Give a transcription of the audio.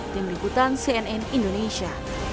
tim liputan cnn indonesia